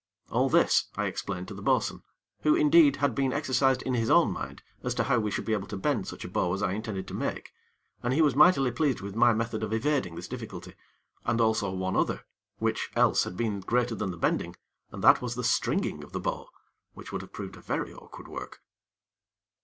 All this, I explained to the bo'sun, who, indeed, had been exercised in his own mind as to how we should be able to bend such a bow as I intended to make, and he was mightily pleased with my method of evading this difficulty, and also one other, which, else, had been greater than the bending, and that was the stringing of the bow, which would have proved a very awkward work.